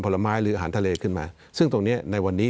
ซึ่งตรงนี้ในวันนี้